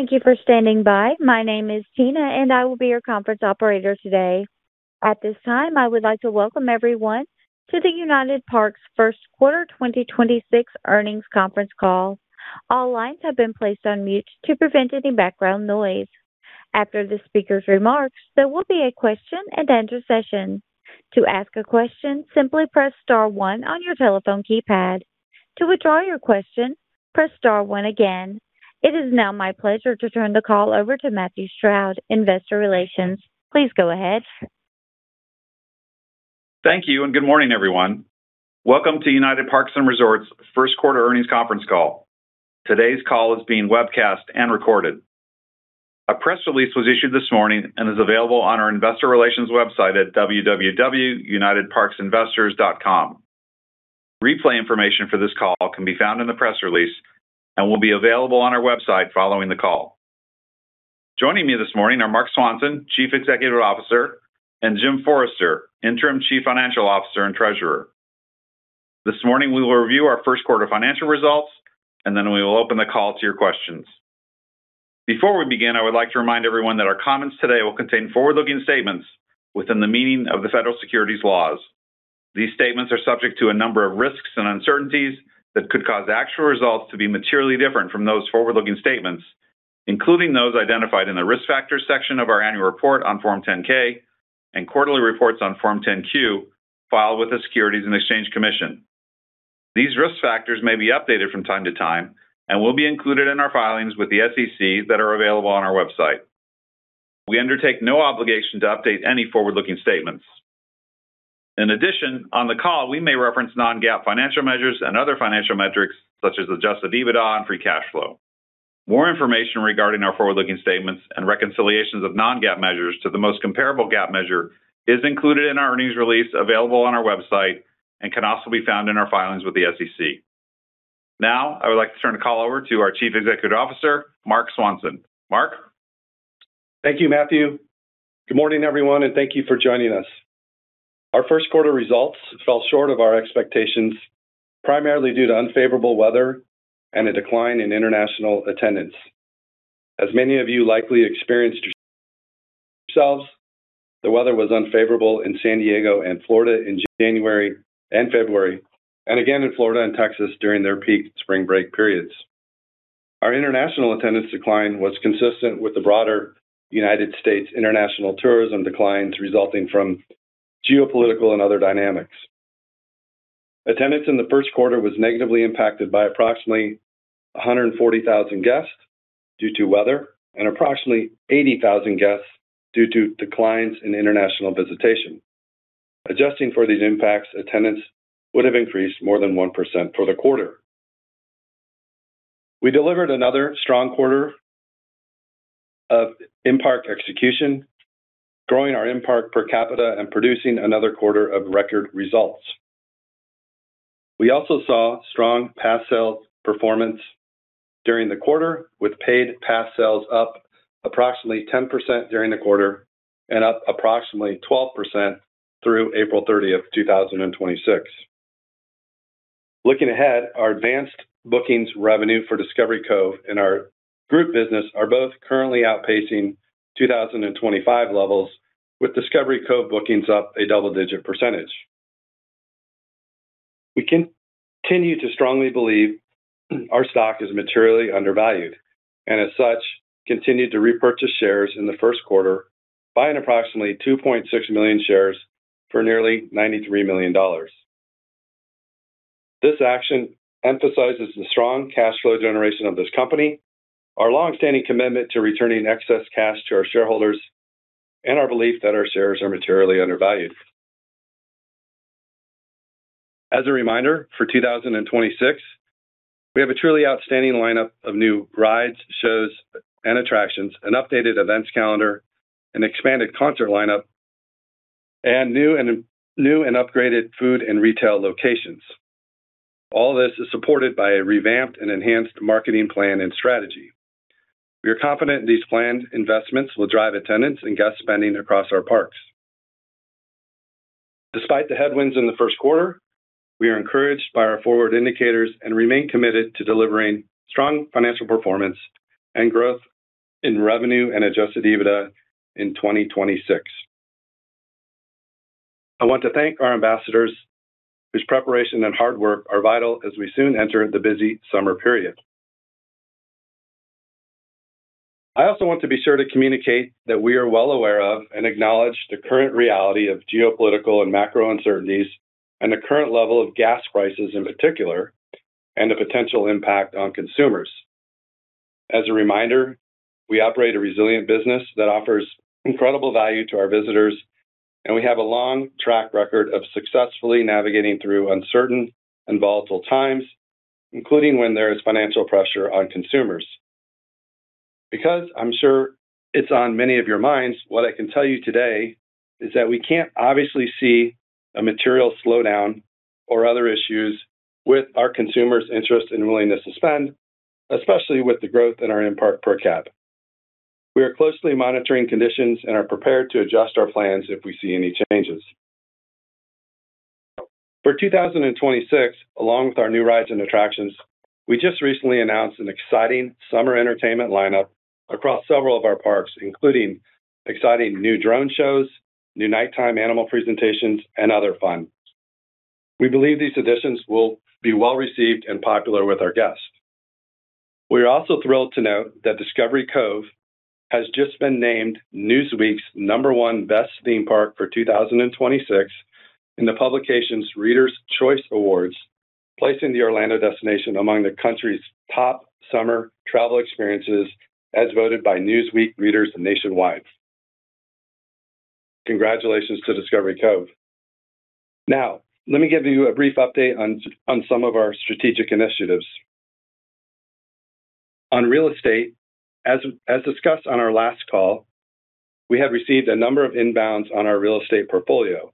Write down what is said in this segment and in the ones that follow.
Thank you for standing by. My name is Tina, and I will be your conference operator today. At this time, I would like to welcome everyone to the United Parks & Resorts first quarter 2026 earnings conference call. All lines have been placed on mute to prevent any background noise. After the speaker's remarks, there will be a question-and-answer session. To ask a question, simply press star one on your telephone keypad. To withdraw your question, press star one again. It is now my pleasure to turn the call over to Matthew Stroud, Investor Relations. Please go ahead. Thank you, and good morning, everyone. Welcome to United Parks & Resorts first quarter earnings conference call. Today's call is being webcast and recorded. A press release was issued this morning and is available on our investor relations website at www.unitedparks.com/investors. Replay information for this call can be found in the press release and will be available on our website following the call. Joining me this morning are Marc Swanson, Chief Executive Officer, and James W. Forrester, Jr., Interim Chief Financial Officer and Treasurer. This morning, we will review our first quarter financial results, and then we will open the call to your questions. Before we begin, I would like to remind everyone that our comments today will contain forward-looking statements within the meaning of the federal securities laws. These statements are subject to a number of risks and uncertainties that could cause actual results to be materially different from those forward-looking statements, including those identified in the Risk Factors section of our annual report on Form 10-K and quarterly reports on Form 10-Q filed with the Securities and Exchange Commission. These risk factors may be updated from time to time and will be included in our filings with the SEC that are available on our website. We undertake no obligation to update any forward-looking statements. In addition, on the call, we may reference non-GAAP financial measures and other financial metrics such as adjusted EBITDA and free cash flow. More information regarding our forward-looking statements and reconciliations of non-GAAP measures to the most comparable GAAP measure is included in our earnings release available on our website and can also be found in our filings with the SEC. Now, I would like to turn the call over to our Chief Executive Officer, Marc Swanson. Marc? Thank you, Matthew. Good morning, everyone, and thank you for joining us. Our first quarter results fell short of our expectations, primarily due to unfavorable weather and a decline in international attendance. As many of you likely experienced yourselves, the weather was unfavorable in San Diego and Florida in January and February and again in Florida and Texas during their peak spring break periods. Our international attendance decline was consistent with the broader United States international tourism declines resulting from geopolitical and other dynamics. Attendance in the first quarter was negatively impacted by approximately 140,000 guests due to weather and approximately 80,000 guests due to declines in international visitation. Adjusting for these impacts, attendance would have increased more than 1% for the quarter. We delivered another strong quarter of in-park execution, growing our in-park per capita and producing another quarter of record results. We also saw strong pass sale performance during the quarter, with paid pass sales up approximately 10% during the quarter and up approximately 12% through April 30, 2026. Looking ahead, our advanced bookings revenue for Discovery Cove and our group business are both currently outpacing 2025 levels, with Discovery Cove bookings up a double-digit percentage. We continue to strongly believe our stock is materially undervalued and as such continued to repurchase shares in the first quarter by an approximately 2.6 million shares for nearly $93 million. This action emphasizes the strong cash flow generation of this company, our long-standing commitment to returning excess cash to our shareholders, and our belief that our shares are materially undervalued. As a reminder, for 2026, we have a truly outstanding lineup of new rides, shows, and attractions, an updated events calendar, an expanded concert lineup, and new and upgraded food and retail locations. All this is supported by a revamped and enhanced marketing plan and strategy. We are confident these planned investments will drive attendance and guest spending across our parks. Despite the headwinds in the first quarter, we are encouraged by our forward indicators and remain committed to delivering strong financial performance and growth in revenue and adjusted EBITDA in 2026. I want to thank our ambassadors, whose preparation and hard work are vital as we soon enter the busy summer period. I also want to be sure to communicate that we are well aware of and acknowledge the current reality of geopolitical and macro uncertainties and the current level of gas prices in particular and the potential impact on consumers. As a reminder, we operate a resilient business that offers incredible value to our visitors, and we have a long track record of successfully navigating through uncertain and volatile times, including when there is financial pressure on consumers. Because I'm sure it's on many of your minds, what I can tell you today is that we can't obviously see a material slowdown or other issues with our consumers' interest and willingness to spend, especially with the growth in our in-park per cap. We are closely monitoring conditions and are prepared to adjust our plans if we see any changes. For 2026, along with our new rides and attractions, we just recently announced an exciting summer entertainment lineup across several of our parks, including exciting new drone shows, new nighttime animal presentations, and other fun. We believe these additions will be well-received and popular with our guests. We're also thrilled to note that Discovery Cove has just been named Newsweek's number 1 best theme park for 2026 in the publication's Readers' Choice Awards, placing the Orlando destination among the country's top summer travel experiences as voted by Newsweek readers nationwide. Congratulations to Discovery Cove. Now, let me give you a brief update on some of our strategic initiatives. On real estate, as discussed on our last call, we have received a number of inbounds on our real estate portfolio.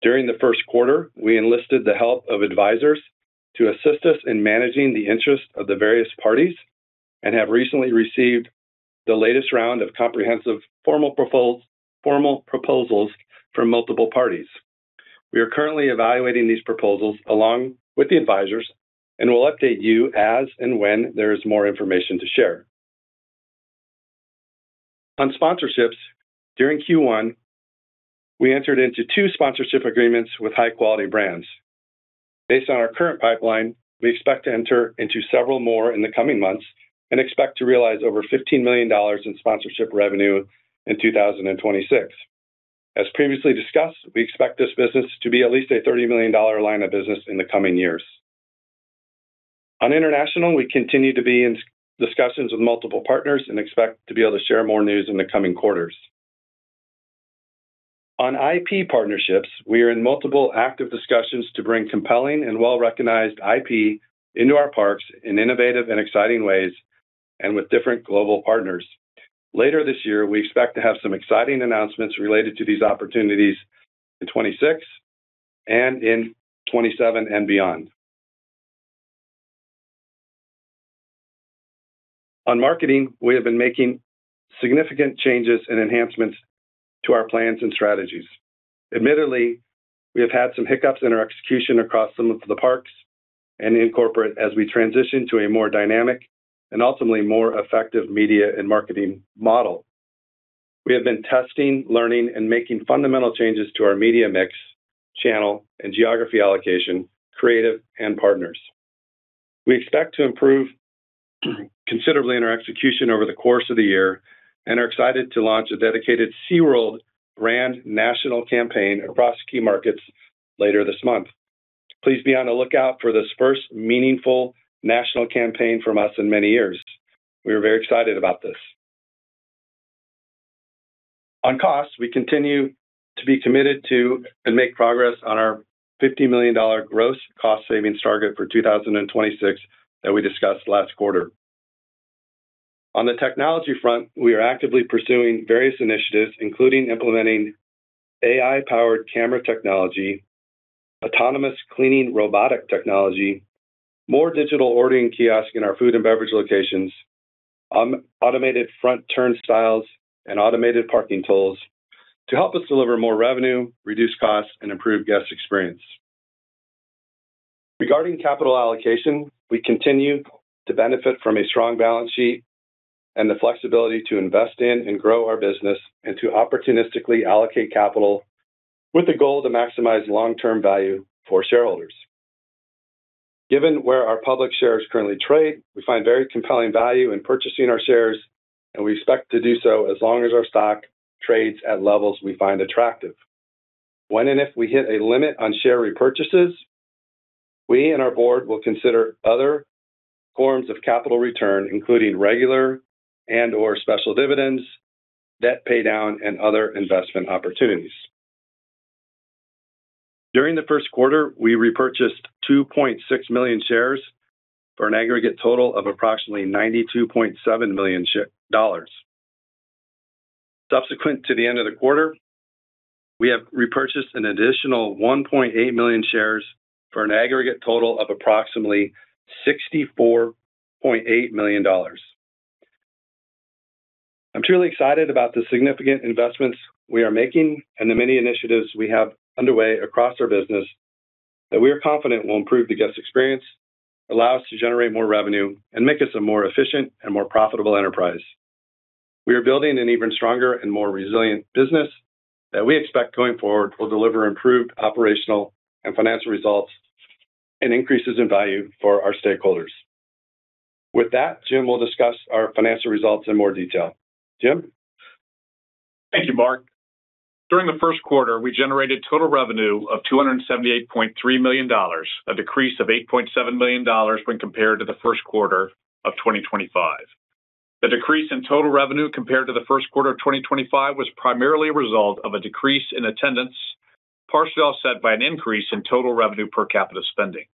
During the first quarter, we enlisted the help of advisors to assist us in managing the interest of the various parties and have recently received the latest round of comprehensive formal proposals from multiple parties. We are currently evaluating these proposals along with the advisors, we'll update you as and when there is more information to share. On sponsorships, during Q1, we entered into two sponsorship agreements with high-quality brands. Based on our current pipeline, we expect to enter into several more in the coming months and expect to realize over $15 million in sponsorship revenue in 2026. As previously discussed, we expect this business to be at least a $30 million line of business in the coming years. On international, we continue to be in discussions with multiple partners and expect to be able to share more news in the coming quarters. On IP partnerships, we are in multiple active discussions to bring compelling and well-recognized IP into our parks in innovative and exciting ways and with different global partners. Later this year, we expect to have some exciting announcements related to these opportunities in 2026 and in 2027 and beyond. On marketing, we have been making significant changes and enhancements to our plans and strategies. Admittedly, we have had some hiccups in our execution across some of the parks and in corporate as we transition to a more dynamic and ultimately more effective media and marketing model. We have been testing, learning, and making fundamental changes to our media mix, channel, and geography allocation, creative, and partners. We expect to improve considerably in our execution over the course of the year and are excited to launch a dedicated SeaWorld brand national campaign across key markets later this month. Please be on the lookout for this first meaningful national campaign from us in many years. We are very excited about this. On costs, we continue to be committed to and make progress on our $50 million gross cost savings target for 2026 that we discussed last quarter. On the technology front, we are actively pursuing various initiatives, including implementing AI-powered camera technology, autonomous cleaning robotic technology, more digital ordering kiosk in our food and beverage locations, automated front turnstiles, and automated parking tools to help us deliver more revenue, reduce costs, and improve guest experience. Regarding capital allocation, we continue to benefit from a strong balance sheet and the flexibility to invest in and grow our business and to opportunistically allocate capital with the goal to maximize long-term value for shareholders. Given where our public shares currently trade, we find very compelling value in purchasing our shares, and we expect to do so as long as our stock trades at levels we find attractive. When and if we hit a limit on share repurchases, we and our board will consider other forms of capital return, including regular and/or special dividends, debt paydown, and other investment opportunities. During the first quarter, we repurchased 2.6 million shares for an aggregate total of approximately $92.7 million. Subsequent to the end of the quarter, we have repurchased an additional 1.8 million shares for an aggregate total of approximately $64.8 million. I'm truly excited about the significant investments we are making and the many initiatives we have underway across our business that we are confident will improve the guest experience, allow us to generate more revenue, and make us a more efficient and more profitable enterprise. We are building an even stronger and more resilient business that we expect going forward will deliver improved operational and financial results and increases in value for our stakeholders. With that, Jim will discuss our financial results in more detail. Jim? Thank you, Marc. During the first quarter, we generated total revenue of $278.3 million, a decrease of $8.7 million when compared to the first quarter of 2025. The decrease in total revenue compared to the first quarter of 2025 was primarily a result of a decrease in attendance, partially offset by an increase in total revenue per capita spending.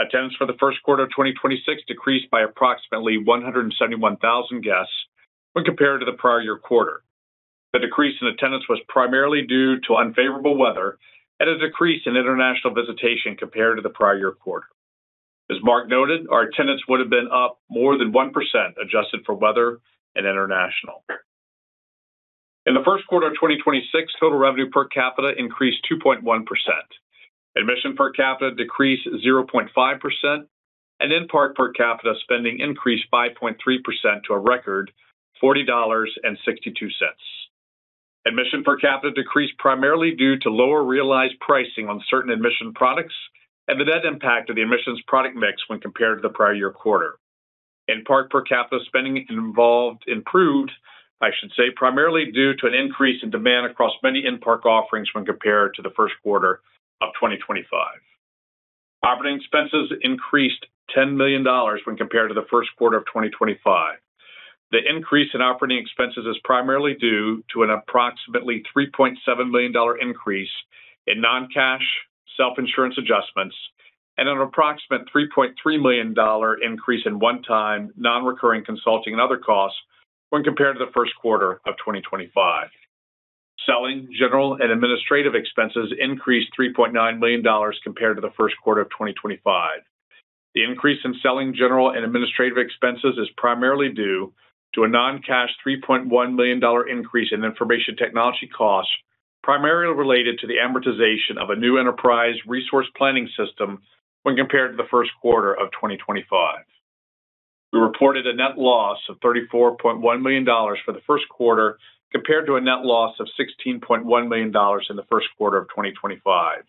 Attendance for the first quarter of 2026 decreased by approximately 171,000 guests when compared to the prior year quarter. The decrease in attendance was primarily due to unfavorable weather and a decrease in international visitation compared to the prior year quarter. As Marc noted, our attendance would have been up more than 1% adjusted for weather and international. In the first quarter of 2026, total revenue per capita increased 2.1%. Admission per capita decreased 0.5%, in-park per capita spending increased 5.3% to a record $40.62. Admission per capita decreased primarily due to lower realized pricing on certain admission products and the net impact of the admissions product mix when compared to the prior year quarter. In-park per capita spending improved primarily due to an increase in demand across many in-park offerings when compared to the first quarter of 2025. Operating expenses increased $10 million when compared to the first quarter of 2025. The increase in operating expenses is primarily due to an approximately $3.7 million increase in non-cash self-insurance adjustments and an approximate $3.3 million increase in one-time non-recurring consulting and other costs when compared to the first quarter of 2025. Selling, general, and administrative expenses increased $3.9 million compared to the first quarter of 2025. The increase in selling, general, and administrative expenses is primarily due to a non-cash $3.1 million increase in information technology costs, primarily related to the amortization of a new enterprise resource planning system when compared to the first quarter of 2025. We reported a net loss of $34.1 million for the first quarter, compared to a net loss of $16.1 million in the first quarter of 2025.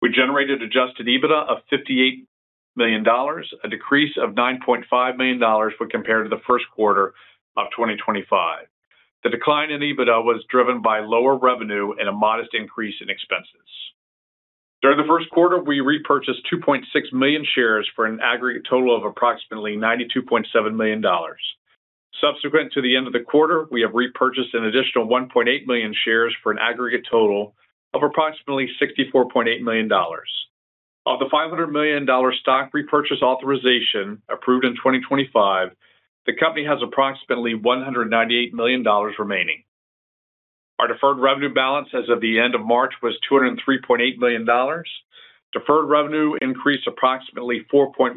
We generated adjusted EBITDA of $58 million, a decrease of $9.5 million when compared to the first quarter of 2025. The decline in EBITDA was driven by lower revenue and a modest increase in expenses. During the first quarter, we repurchased 2.6 million shares for an aggregate total of approximately $92.7 million. Subsequent to the end of the quarter, we have repurchased an additional 1.8 million shares for an aggregate total of approximately $64.8 million. Of the $500 million stock repurchase authorization approved in 2025, the company has approximately $198 million remaining. Our deferred revenue balance as of the end of March was $203.8 million. Deferred revenue increased approximately 4.1%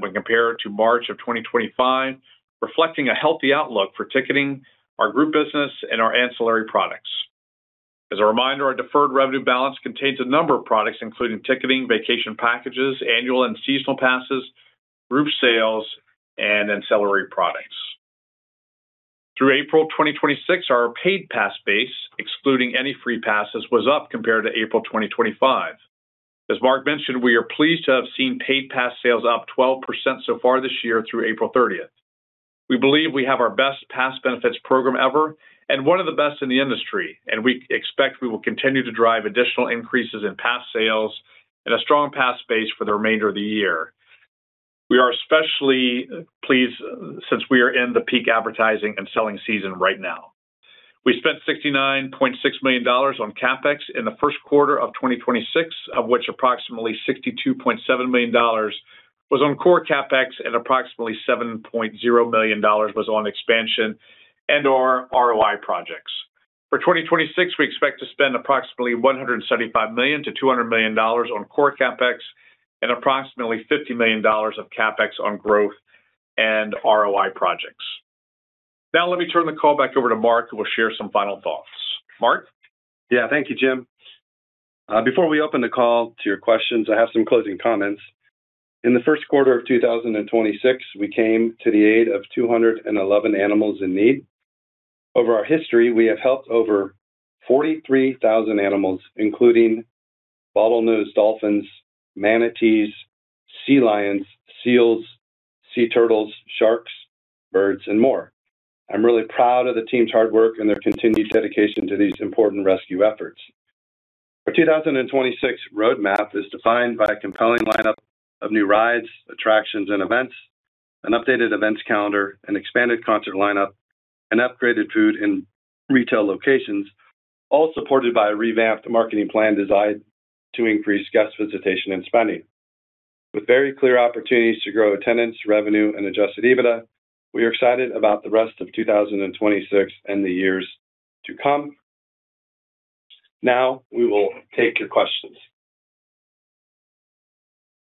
when compared to March of 2025, reflecting a healthy outlook for ticketing, our group business, and our ancillary products. As a reminder, our deferred revenue balance contains a number of products, including ticketing, vacation packages, annual and seasonal passes, group sales, and ancillary products. Through April 2026, our paid pass base, excluding any free passes, was up compared to April 2025. As Marc mentioned, we are pleased to have seen paid pass sales up 12% so far this year through April 30th. We believe we have our best pass benefits program ever and one of the best in the industry, and we expect we will continue to drive additional increases in pass sales and a strong pass base for the remainder of the year. We are especially pleased since we are in the peak advertising and selling season right now. We spent $69.6 million on CapEx in the 1st quarter of 2026, of which approximately $62.7 million was on core CapEx and approximately $7.0 million was on expansion and/or ROI projects. For 2026, we expect to spend approximately $175 million-$200 million on core CapEx and approximately $50 million of CapEx on growth and ROI projects. Let me turn the call back over to Marc, who will share some final thoughts. Marc? Yeah. Thank you, Jim. Before we open the call to your questions, I have some closing comments. In the first quarter of 2026, we came to the aid of 211 animals in need. Over our history, we have helped over 43,000 animals, including bottlenose dolphins, manatees, sea lions, seals, sea turtles, sharks, birds, and more. I'm really proud of the team's hard work and their continued dedication to these important rescue efforts. Our 2026 roadmap is defined by a compelling lineup of new rides, attractions, and events, an updated events calendar, an expanded concert lineup, and upgraded food and retail locations, all supported by a revamped marketing plan designed to increase guest visitation and spending. With very clear opportunities to grow attendance, revenue, and adjusted EBITDA, we are excited about the rest of 2026 and the years to come. Now we will take your questions.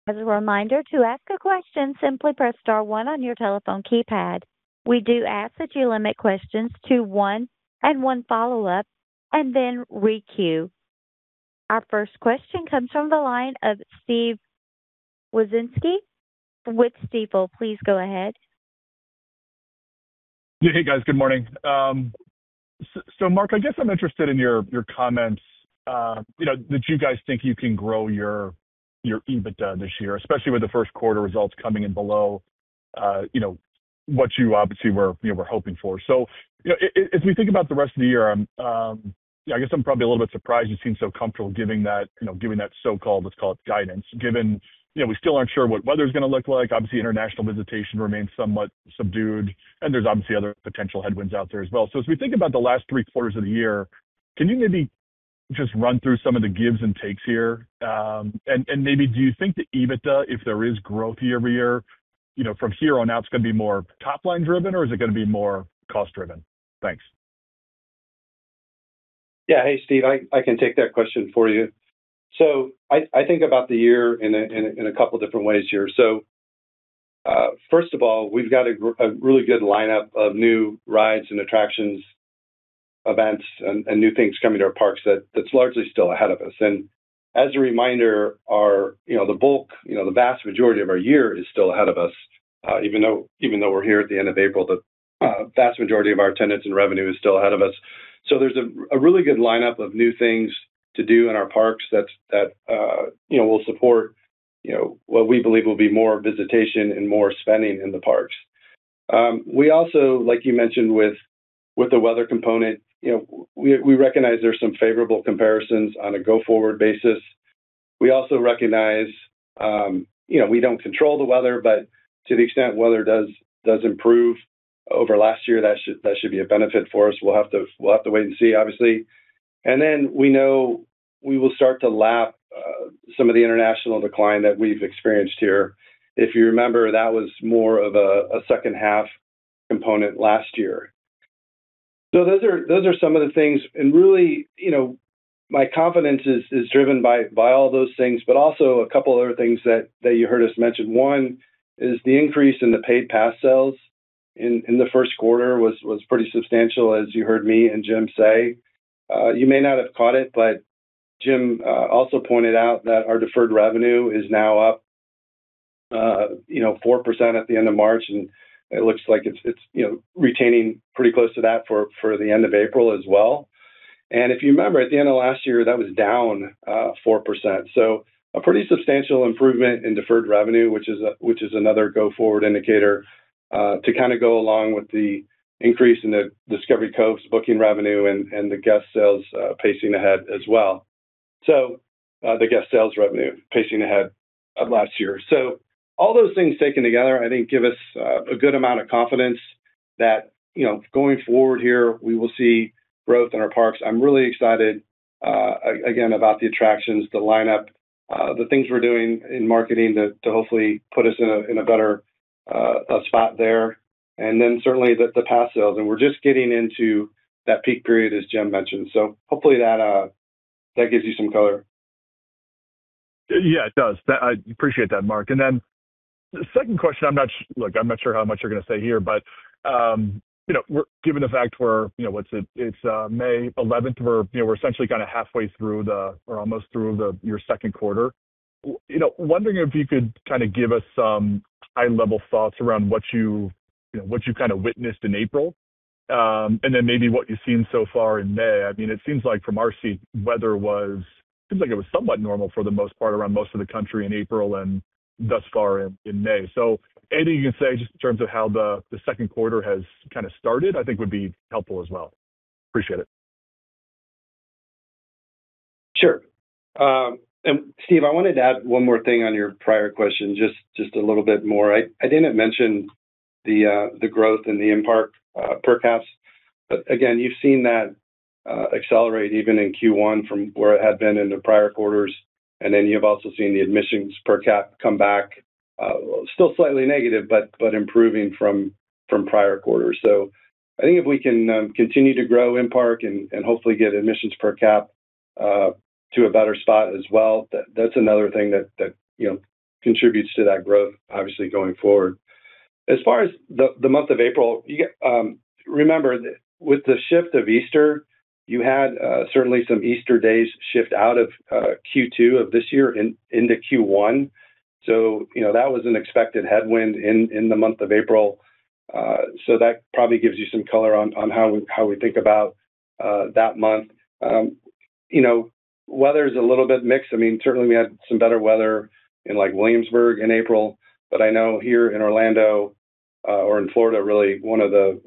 As a reminder, to ask a question, simply press star one on your telephone keypad. We do ask that you limit questions to one and one follow-up and then re-queue. Our first question comes from the line of Steven Wieczynski with Stifel. Please go ahead. Hey, guys. Good morning. Marc, I guess I'm interested in your comments, you know, that you guys think you can grow your EBITDA this year, especially with the first quarter results coming in below, you know, what you obviously were, you know, were hoping for. You know, as we think about the rest of the year, yeah, I guess I'm probably a little bit surprised you seem so comfortable giving that, you know, giving that so-called, let's call it guidance, given, you know, we still aren't sure what weather's gonna look like. Obviously, international visitation remains somewhat subdued, there's obviously other potential headwinds out there as well. As we think about the last three quarters of the year, can you maybe just run through some of the gives and takes here? Maybe do you think the EBITDA, if there is growth year-over-year, you know, from here on out, it's gonna be more top-line driven or is it gonna be more cost-driven? Thanks. Yeah. Hey, Steven, I can take that question for you. I think about the year in a couple different ways here. First of all, we've got a really good lineup of new rides and attractions, events and new things coming to our parks that's largely still ahead of us. As a reminder, our, you know, the bulk, you know, the vast majority of our year is still ahead of us. Even though we're here at the end of April, the vast majority of our attendance and revenue is still ahead of us. There's a really good lineup of new things to do in our parks that's, you know, will support, you know, what we believe will be more visitation and more spending in the parks. We also, like you mentioned with the weather component, you know, we recognize there's some favorable comparisons on a go-forward basis. We also recognize, you know, we don't control the weather, but to the extent weather does improve over last year, that should be a benefit for us. We'll have to wait and see, obviously. Then we know we will start to lap some of the international decline that we've experienced here. If you remember, that was more of a second half component last year. Those are some of the things. Really, you know, my confidence is driven by all those things, but also a couple other things that you heard us mention. One is the increase in the paid pass sales in the first quarter was pretty substantial, as you heard me and Jim say. You may not have caught it, but Jim also pointed out that our deferred revenue is now up, you know, 4% at the end of March, and it looks like it's, you know, retaining pretty close to that for the end of April as well. If you remember, at the end of last year that was down 4%. A pretty substantial improvement in deferred revenue, which is another go forward indicator, to kinda go along with the increase in the Discovery Cove's booking revenue and the guest sales pacing ahead as well. The guest sales revenue pacing ahead of last year. All those things taken together I think give us a good amount of confidence that, you know, going forward here we will see growth in our parks. I'm really excited again about the attractions, the lineup, the things we're doing in marketing to hopefully put us in a better spot there and then certainly the pass sales. We're just getting into that peak period, as Jim mentioned. Hopefully that gives you some color. Yeah, it does. I appreciate that, Marc. The second question, look, I'm not sure how much you're gonna say here, but, you know, given the fact we're, you know, what's it? It's May 11th. We're, you know, we're essentially kinda halfway through the, or almost through the, your second quarter. You know, wondering if you could kinda give us some high-level thoughts around what you know, what you kinda witnessed in April, and then maybe what you've seen so far in May. I mean, it seems like from our seat, weather seems like it was somewhat normal for the most part around most of the country in April and thus far in May. Anything you can say just in terms of how the second quarter has kinda started, I think would be helpful as well. Appreciate it. Sure. Steve, I wanted to add one more thing on your prior question, just a little bit more. I didn't mention the growth in the in-park per caps. Again, you've seen that accelerate even in Q1 from where it had been in the prior quarters, and then you have also seen the admissions per cap come back, still slightly negative, but improving from prior quarters. I think if we can continue to grow in park and hopefully get admissions per cap to a better spot as well, that's another thing that, you know, contributes to that growth, obviously, going forward. As far as the month of April, remember, with the shift of Easter, you had certainly some Easter days shift out of Q2 of this year into Q1. You know, that was an expected headwind in the month of April. That probably gives you some color on how we think about that month. You know, weather's a little bit mixed. I mean, certainly we had some better weather in like Williamsburg in April. I know here in Orlando, or in Florida really, one of the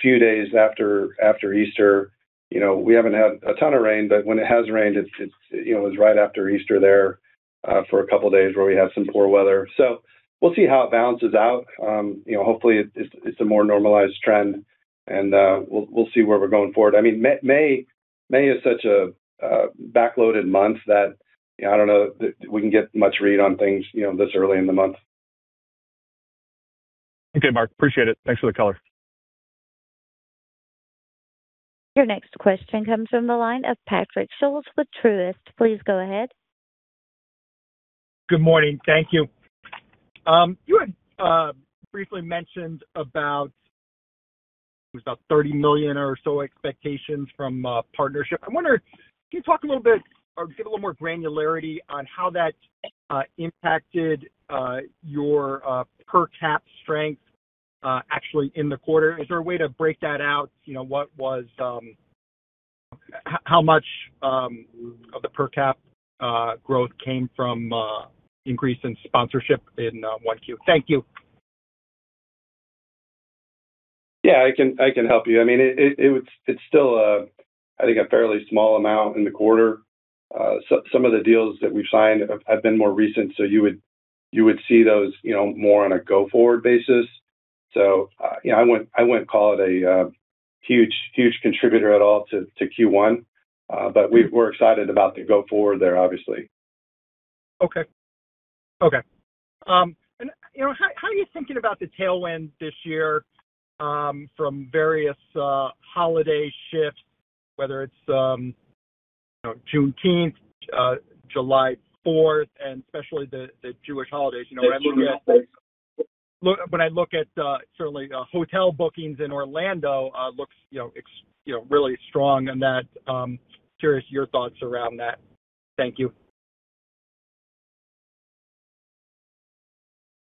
few days after Easter, you know, we haven't had a ton of rain, but when it has rained, it's, you know, it was right after Easter there for a couple days where we had some poor weather. We'll see how it balances out. You know, hopefully it's a more normalized trend and we'll see where we're going forward. I mean May is such a backloaded month that, you know, I don't know that we can get much read on things, you know, this early in the month. Okay, Marc. Appreciate it. Thanks for the color. Your next question comes from the line of Patrick Scholes with Truist. Please go ahead. Good morning. Thank you. You had briefly mentioned about, it was about $30 million or so expectations from partnership. I wonder, can you talk a little bit or give a little more granularity on how that impacted your per cap strength actually in the quarter? Is there a way to break that out? You know, what was how much of the per cap growth came from increase in sponsorship in 1Q? Thank you. Yeah, I can help you. I mean, it's still a, I think, a fairly small amount in the quarter. Some of the deals that we've signed have been more recent. You would see those, you know, more on a go-forward basis. You know, I wouldn't call it a huge contributor at all to Q1. We're excited about the go forward there, obviously. Okay. Okay. You know, how are you thinking about the tailwind this year, from various holiday shifts, whether it's, you know, Juneteenth, July Fourth, and especially the Jewish holidays? That's true. When I look at, certainly, hotel bookings in Orlando, looks, you know, really strong in that. Curious your thoughts around that? Thank you.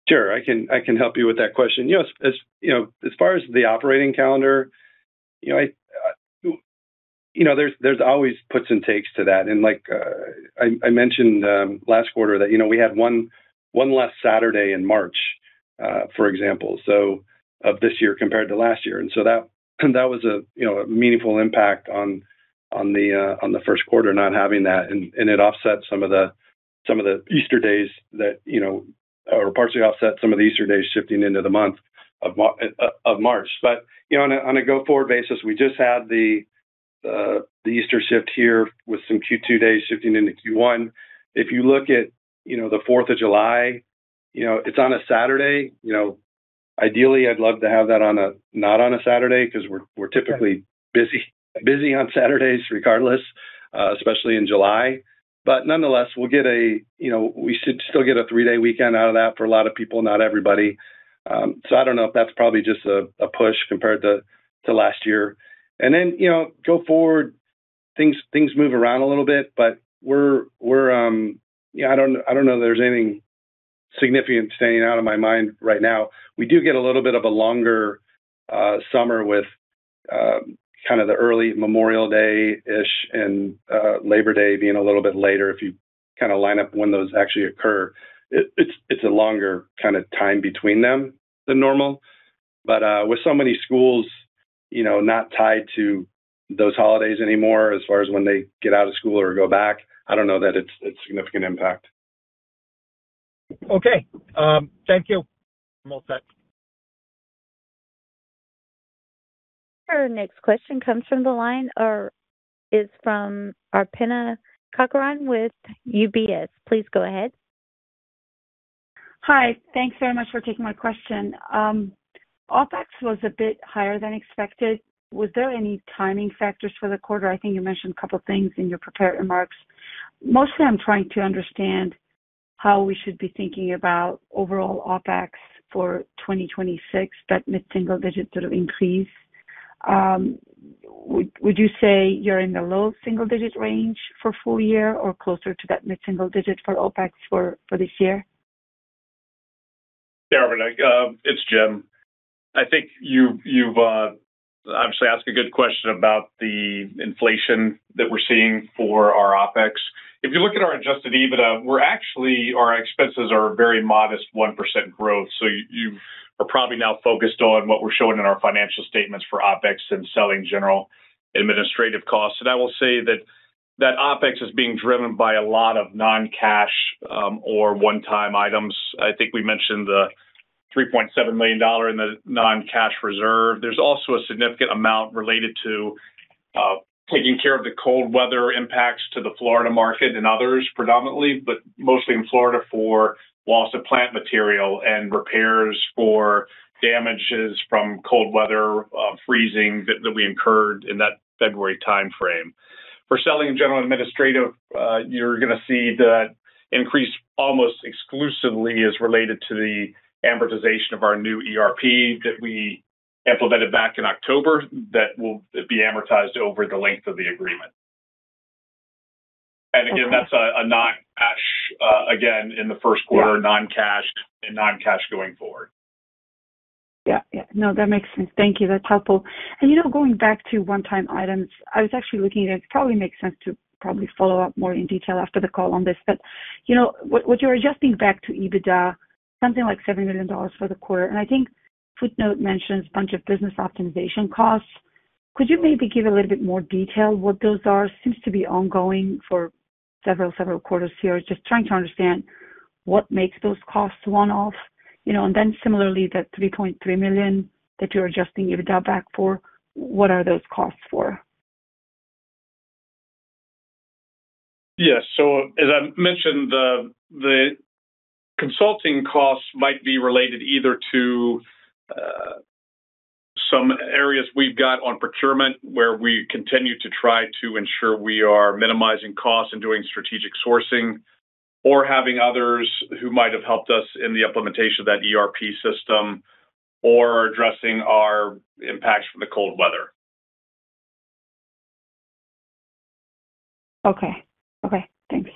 Sure. I can help you with that question. You know, as, you know, as far as the operating calendar, you know, I, you know, there's always puts and takes to that. Like, I mentioned last quarter that, you know, we had 1 last Saturday in March, for example, so of this year compared to last year. That was a, you know, a meaningful impact on the first quarter, not having that. It offset some of the Easter days that, you know, or partially offset some of the Easter days shifting into the month of March. You know, on a go-forward basis, we just had the Easter shift here with some Q2 days shifting into Q1. If you look at, you know, the Fourth of July, you know, it's on a Saturday. You know, ideally, I'd love to have that not on a Saturday because we're typically busy on Saturdays regardless, especially in July. Nonetheless, we'll get a, you know, we should still get a three-day weekend out of that for a lot of people, not everybody. I don't know if that's probably just a push compared to last year. Then, you know, go forward, things move around a little bit, but we're. You know, I don't know that there's anything significant standing out in my mind right now. We do get a little bit of a longer summer with kind of the early Memorial Day-ish and Labor Day being a little bit later if you kind of line up when those actually occur. It's a longer kind of time between them than normal. With so many schools, you know, not tied to those holidays anymore as far as when they get out of school or go back, I don't know that it's a significant impact. Okay. Thank you. I'm all set. Our next question comes from the line or is from Arpine Kocharyan with UBS. Please go ahead. Hi. Thanks very much for taking my question. OpEx was a bit higher than expected. Was there any timing factors for the quarter? I think you mentioned a couple of things in your prepared remarks. Mostly, I'm trying to understand how we should be thinking about overall OpEx for 2026, that mid-single digit sort of increase. Would you say you're in the low single-digit range for full year or closer to that mid-single digit for OpEx for this year? Yeah. Arpine Kocharyan, it's Jim. I think you've obviously asked a good question about the inflation that we're seeing for our OpEx. If you look at our adjusted EBITDA, our expenses are a very modest 1% growth. You are probably now focused on what we're showing in our financial statements for OpEx and selling general administrative costs. I will say that that OpEx is being driven by a lot of non-cash or one-time items. I think we mentioned the $3.7 million in the non-cash reserve. There's also a significant amount related to taking care of the cold weather impacts to the Florida market and others predominantly, but mostly in Florida for loss of plant material and repairs for damages from cold weather freezing that we incurred in that February timeframe. For Selling General Administrative, you're gonna see that increase almost exclusively is related to the amortization of our new ERP that we implemented back in October that will be amortized over the length of the agreement. Okay. Again, that's a non-cash, again, in the first quarter. Yeah non-cash and non-cash going forward. Yeah. Yeah. No, that makes sense. Thank you. That's helpful. You know, going back to one-time items, I was actually looking at it. It probably makes sense to probably follow up more in detail after the call on this. You know, what you're adjusting back to EBITDA, something like $7 million for the quarter, and I think footnote mentions a bunch of business optimization costs. Could you maybe give a little bit more detail what those are? Seems to be ongoing for several quarters here. Just trying to understand what makes those costs one-off, you know. Then similarly, that $3.3 million that you're adjusting EBITDA back for, what are those costs for? Yes. As I mentioned, the consulting costs might be related either to some areas we've got on procurement, where we continue to try to ensure we are minimizing costs and doing strategic sourcing or having others who might have helped us in the implementation of that ERP system or addressing our impacts from the cold weather. Okay. Okay. Thanks.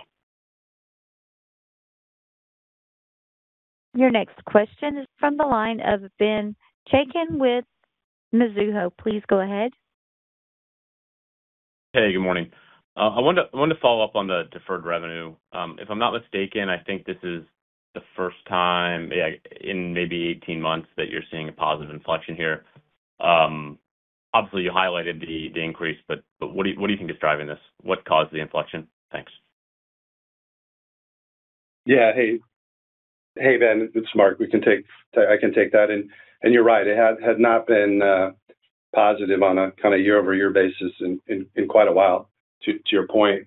Your next question is from the line of Ben Chaiken with Mizuho. Please go ahead. Hey, good morning. I wanted to follow up on the deferred revenue. If I'm not mistaken, I think this is the first time in maybe 18 months that you're seeing a positive inflection here. Obviously, you highlighted the increase, but what do you think is driving this? What caused the inflection? Thanks. Yeah. Hey, Ben, it's Marc. I can take that. You're right, it has not been positive on a kind of year-over-year basis in quite a while, to your point.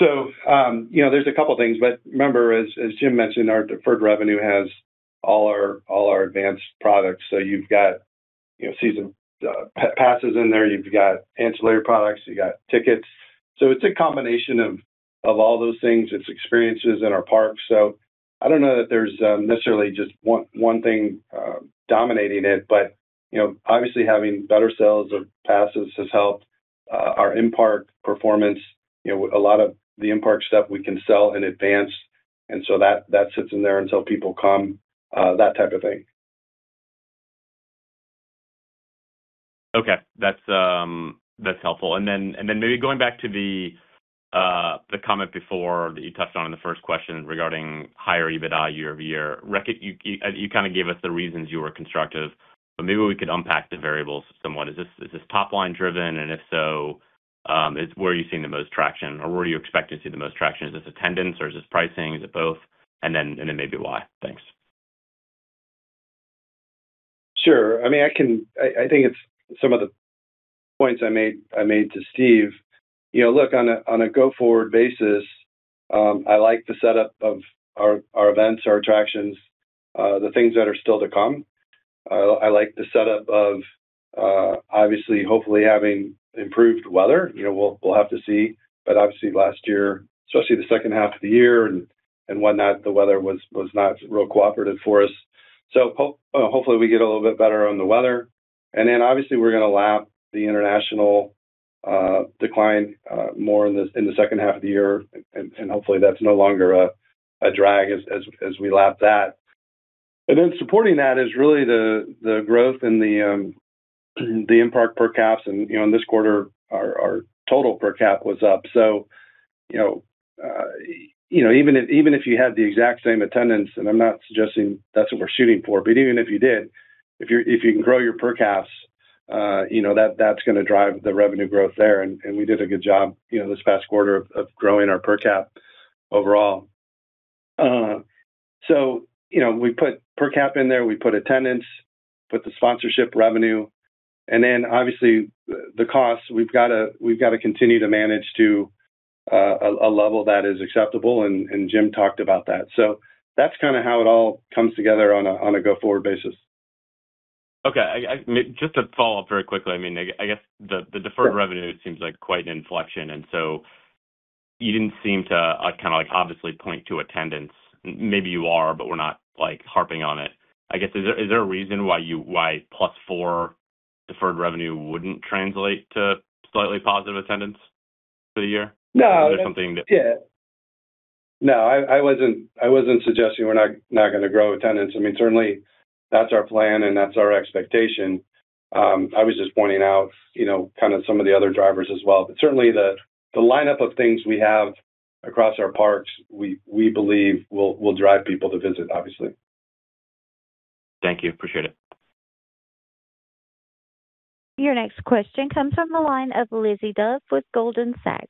You know, there's a couple things, but remember, as James mentioned, our deferred revenue has all our advanced products. You've got, you know, season passes in there. You've got ancillary products. You've got tickets. It's a combination of all those things. It's experiences in our parks. I don't know that there's necessarily just one thing dominating it, but, you know, obviously having better sales of passes has helped our in-park performance. You know, a lot of the in-park stuff we can sell in advance. That sits in there until people come, that type of thing. Okay. That's, that's helpful. Then maybe going back to the comment before that you touched on in the first question regarding higher EBITDA year-over-year. You kinda gave us the reasons you were constructive, but maybe we could unpack the variables somewhat. Is this, is this top line driven? And if so, where are you seeing the most traction or where are you expecting to see the most traction? Is this attendance or is this pricing? Is it both? Then maybe why. Thanks. Sure. I mean, I think it's some of the points I made, I made to Steve. You know, look, on a go-forward basis, I like the setup of our events, our attractions, the things that are still to come. I like the setup of obviously, hopefully having improved weather. You know, we'll have to see. Obviously last year, especially the second half of the year and whatnot, the weather was not real cooperative for us. Hopefully we get a little bit better on the weather. Obviously we're gonna lap the international decline more in the second half of the year. Hopefully that's no longer a drag as we lap that. Supporting that is really the growth in the in-park per caps. You know, in this quarter our total per cap was up. You know, you know, even if you had the exact same attendance, and I'm not suggesting that's what we're shooting for, but even if you did, if you can grow your per caps, you know, that's gonna drive the revenue growth there. We did a good job, you know, this past quarter of growing our per cap overall. You know, we put per cap in there, we put attendance, put the sponsorship revenue, and obviously the costs. We've gotta continue to manage to a level that is acceptable, and Jim talked about that. That's kinda how it all comes together on a go-forward basis. Okay. Just to follow up very quickly, I mean, I guess the deferred revenue seems like quite an inflection. You didn't seem to obviously point to attendance. Maybe you are, but we're not harping on it. I guess, is there a reason why plus 4 deferred revenue wouldn't translate to slightly positive attendance for the year? No. Is there something that- Yeah. No, I wasn't, I wasn't suggesting we're not gonna grow attendance. I mean, certainly that's our plan and that's our expectation. I was just pointing out, you know, kind of some of the other drivers as well. Certainly the lineup of things we have across our parks, we believe will drive people to visit, obviously. Thank you. Appreciate it. Your next question comes from the line of Lizzie Dove with Goldman Sachs.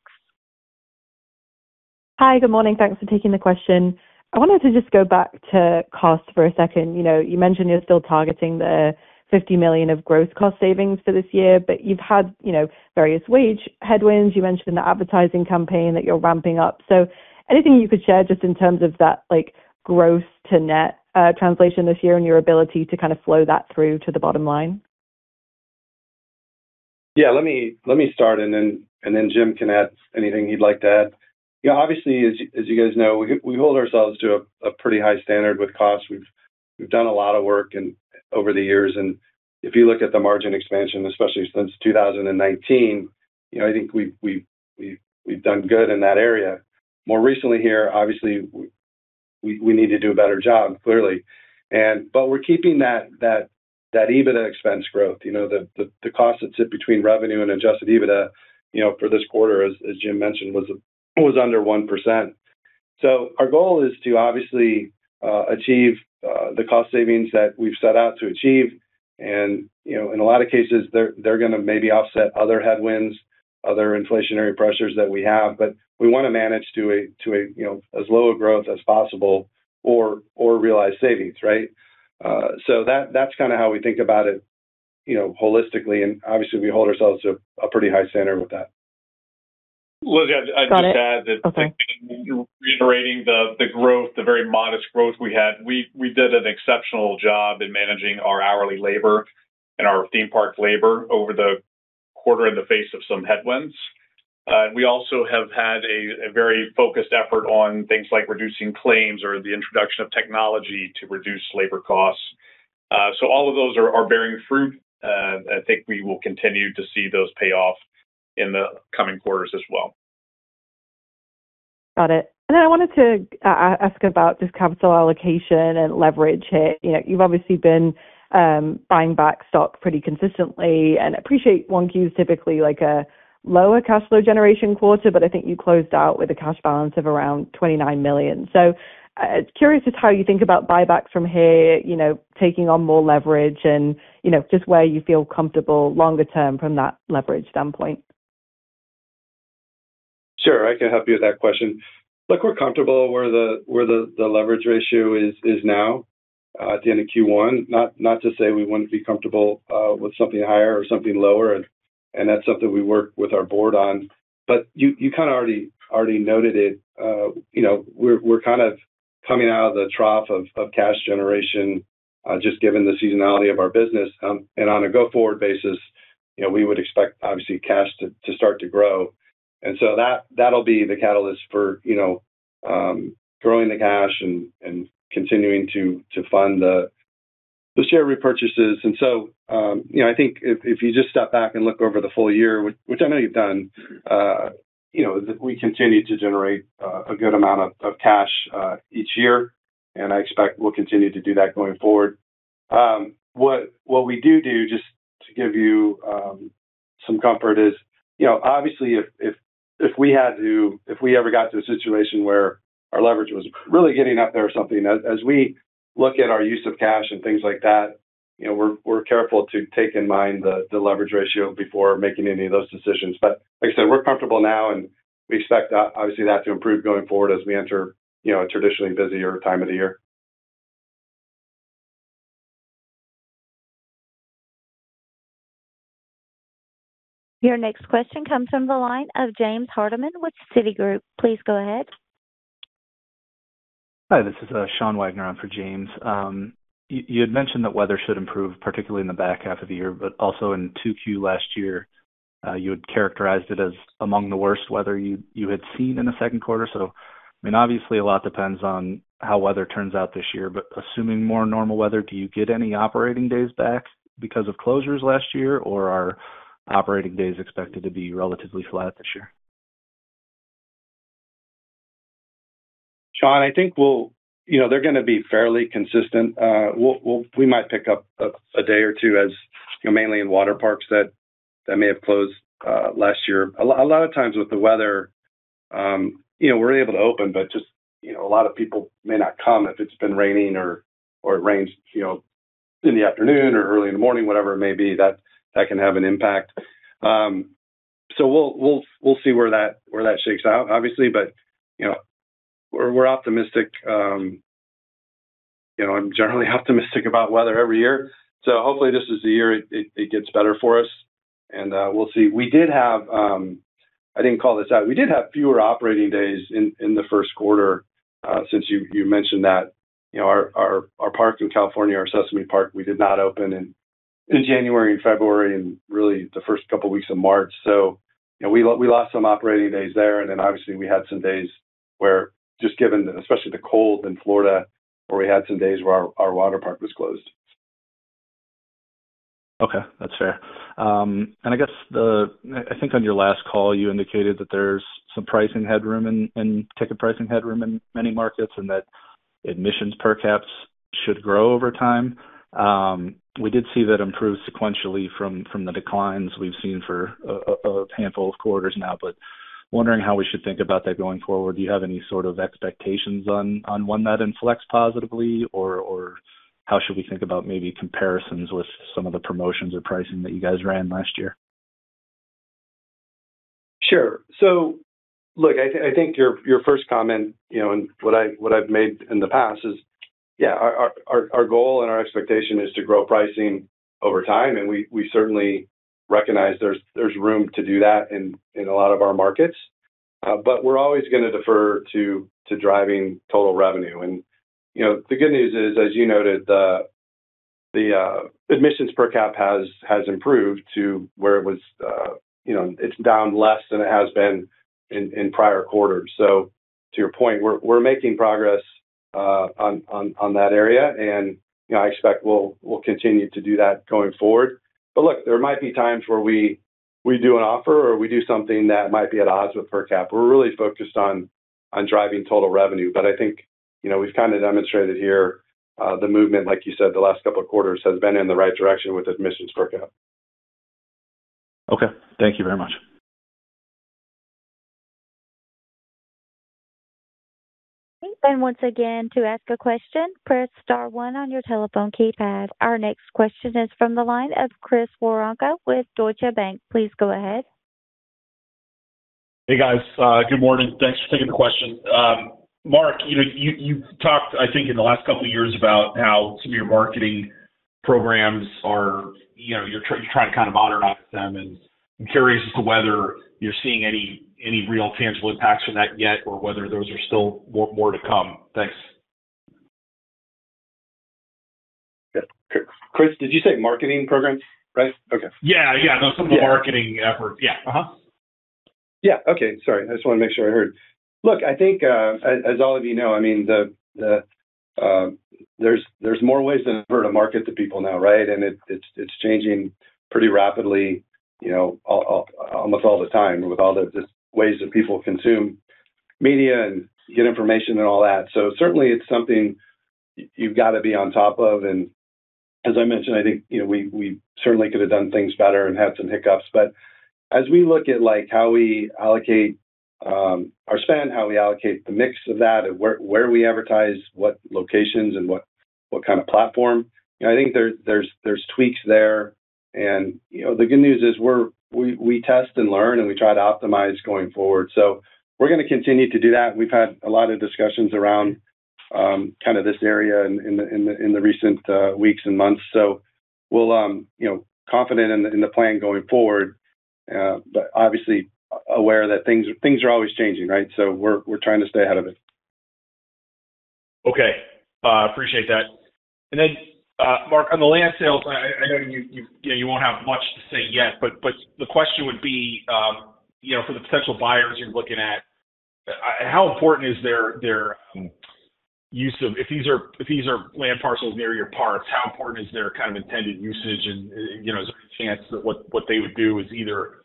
Hi. Good morning. Thanks for taking the question. I wanted to just go back to cost for a second. You know, you mentioned you're still targeting the $50 million of gross cost savings for this year, but you've had, you know, various wage headwinds. You mentioned the advertising campaign that you're ramping up. Anything you could share just in terms of that, like, gross to net translation this year and your ability to kind of flow that through to the bottom line? Yeah, let me start and then Jim can add anything he'd like to add. Yeah, obviously, as you guys know, we hold ourselves to a pretty high standard with costs. We've done a lot of work over the years. If you look at the margin expansion, especially since 2019, you know, I think we've done good in that area. More recently here, obviously we need to do a better job, clearly. We're keeping that EBITDA expense growth. You know, the cost that sit between revenue and adjusted EBITDA, you know, for this quarter, as Jim mentioned, was under 1%. Our goal is to obviously achieve the cost savings that we've set out to achieve. You know, in a lot of cases they're gonna maybe offset other headwinds, other inflationary pressures that we have. We wanna manage to a, you know, as low a growth as possible or realize savings, right? That's kinda how we think about it, you know, holistically. Obviously we hold ourselves to a pretty high standard with that. Lizzie, I'd just add. Got it. Okay. reiterating the growth, the very modest growth we had, we did an exceptional job in managing our hourly labor and our theme park labor over the quarter in the face of some headwinds. We also have had a very focused effort on things like reducing claims or the introduction of technology to reduce labor costs. All of those are bearing fruit. I think we will continue to see those pay off in the coming quarters as well. Got it. I wanted to ask about just capital allocation and leverage here. You know, you've obviously been buying back stock pretty consistently, and appreciate 1Q is typically like a lower cash flow generation quarter, but I think you closed out with a cash balance of around $29 million. Curious just how you think about buybacks from here, you know, taking on more leverage and, you know, just where you feel comfortable longer term from that leverage standpoint. Sure, I can help you with that question. Look, we're comfortable where the leverage ratio is now at the end of Q1. Not to say we wouldn't be comfortable with something higher or something lower and that's something we work with our board on. You kind of already noted it, you know, we're kind of coming out of the trough of cash generation just given the seasonality of our business. On a go-forward basis, you know, we would expect obviously cash to start to grow. So that'll be the catalyst for, you know, growing the cash and continuing to fund the share repurchases. You know, I think if you just step back and look over the full year, which I know you've done, you know, we continue to generate a good amount of cash each year, and I expect we'll continue to do that going forward. What we do, just to give you some comfort is, you know, obviously if we had to if we ever got to a situation where our leverage was really getting up there or something, as we look at our use of cash and things like that, you know, we're careful to take in mind the leverage ratio before making any of those decisions. Like I said, we're comfortable now and we expect, obviously that to improve going forward as we enter, you know, a traditionally busier time of the year. Your next question comes from the line of James Hardiman with Citigroup. Please go ahead. Hi, this is Sean Wagner on for James. You had mentioned that weather should improve, particularly in the back half of the year, but also in 2Q last year, you had characterized it as among the worst weather you had seen in the second quarter. I mean, obviously a lot depends on how weather turns out this year. Assuming more normal weather, do you get any operating days back because of closures last year? Or are operating days expected to be relatively flat this year? Sean, I think we'll, you know, they're going to be fairly consistent. We might pick up a day or two as, you know, mainly in water parks that may have closed last year. A lot of times with the weather, you know, we're able to open, but just, you know, a lot of people may not come if it's been raining or it rains, you know, in the afternoon or early in the morning, whatever it may be. That can have an impact. We'll see where that shakes out obviously, but, you know, we're optimistic. You know, I'm generally optimistic about weather every year, hopefully this is the year it gets better for us, we'll see. We did have, I didn't call this out. We did have fewer operating days in the first quarter, since you mentioned that. You know, our park in California, our Sesame Place, we did not open in January and February and really the first couple weeks of March. You know, we lost some operating days there and then obviously we had some days where just given, especially the cold in Florida, where we had some days where our water park was closed. Okay, that's fair. I guess I think on your last call you indicated that there's some pricing headroom in ticket pricing headroom in many markets and that admissions per caps should grow over time. We did see that improve sequentially from the declines we've seen for a handful of quarters now, but wondering how we should think about that going forward. Do you have any sort of expectations on when that inflects positively? Or how should we think about maybe comparisons with some of the promotions or pricing that you guys ran last year? Sure. Look, I think your first comment, you know, and what I've made in the past is, yeah, our goal and our expectation is to grow pricing over time. We certainly recognize there's room to do that in a lot of our markets. We're always gonna defer to driving total revenue. You know, the good news is, as you noted, the admissions per cap has improved to where it was, you know, it's down less than it has been in prior quarters. To your point, we're making progress on that area and, you know, I expect we'll continue to do that going forward. Look, there might be times where we do an offer or we do something that might be at odds with per cap. We're really focused on driving total revenue. I think, you know, we've kind of demonstrated here, the movement, like you said, the last couple of quarters has been in the right direction with admissions per cap. Okay. Thank you very much. Once again, to ask a question, press star one on your telephone keypad. Our next question is from the line of Chris Woronka with Deutsche Bank. Please go ahead. Hey, guys. Good morning. Thanks for taking the question. Marc, you know, you've talked I think in the last couple years about how some of your marketing programs are, you know, you're trying to kind of modernize them, and I'm curious as to whether you're seeing any real tangible impacts from that yet or whether those are still more to come. Thanks. Yeah. Chris, did you say marketing programs, right? Okay. Yeah, yeah. Yeah. Some of the marketing efforts. Yeah. Uh-huh. Yeah. Okay. Sorry, I just wanna make sure I heard. Look, I think, as all of you know, I mean, the there's more ways than ever to market to people now, right? It's changing pretty rapidly, you know, almost all the time with all the just ways that people consume media and get information and all that. Certainly it's something you've gotta be on top of, and as I mentioned, I think, you know, we certainly could have done things better and had some hiccups. As we look at like how we allocate our spend, how we allocate the mix of that and where we advertise, what locations and what kind of platform? You know, I think there's tweaks there. You know, the good news is we test and learn, and we try to optimize going forward. We're going to continue to do that. We've had a lot of discussions around kind of this area in the, in the, in the recent weeks and months. We'll, you know, confident in the, in the plan going forward, but obviously aware that things are always changing, right. We're trying to stay ahead of it. Okay. Appreciate that. Marc, on the land sales, I know you know you won't have much to say yet, but the question would be, you know, for the potential buyers you're looking at, how important is their use of If these are land parcels near your parks, how important is their kind of intended usage and, you know, is there a chance that what they would do is either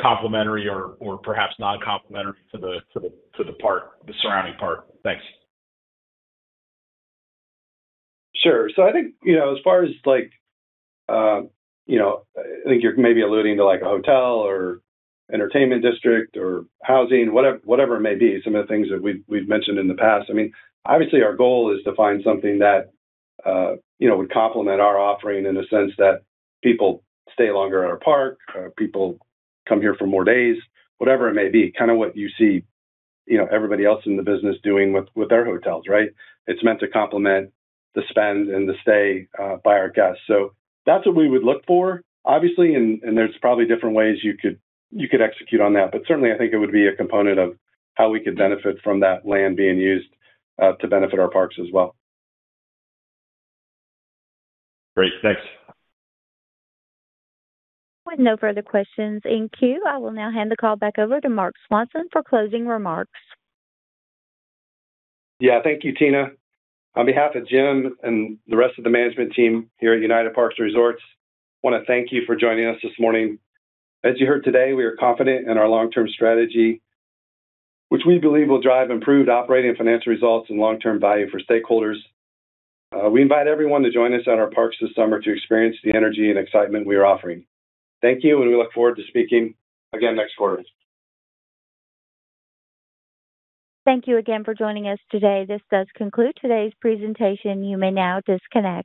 complementary or perhaps non-complementary to the park, the surrounding park? Thanks. Sure. I think, you know, as far as like, you know, I think you're maybe alluding to like a hotel or entertainment district or housing, whatever it may be, some of the things that we've mentioned in the past. I mean, obviously, our goal is to find something that, you know, would complement our offering in the sense that people stay longer at our park, people come here for more days, whatever it may be. Kind of what you see, you know, everybody else in the business doing with their hotels, right? It's meant to complement the spend and the stay by our guests. That's what we would look for, obviously, and there's probably different ways you could execute on that. Certainly, I think it would be a component of how we could benefit from that land being used to benefit our parks as well. Great. Thanks. With no further questions in queue, I will now hand the call back over to Marc Swanson for closing remarks. Thank you, Tina. On behalf of Jim and the rest of the management team here at United Parks & Resorts, I wanna thank you for joining us this morning. As you heard today, we are confident in our long-term strategy, which we believe will drive improved operating and financial results and long-term value for stakeholders. We invite everyone to join us at our parks this summer to experience the energy and excitement we are offering. Thank you, and we look forward to speaking again next quarter. Thank you again for joining us today. This does conclude today's presentation. You may now disconnect.